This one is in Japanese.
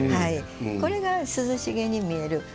これが、涼しげに見える。